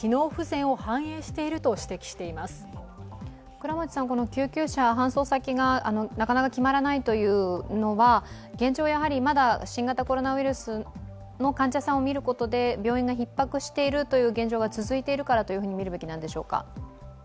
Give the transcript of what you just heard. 倉持さん、救急車搬送先がなかなか決まらないというのは現状、まだ新型コロナウイルスの患者さんを診ることで病院がひっ迫しているという現状が続いているからとみるべきなんでしょうか。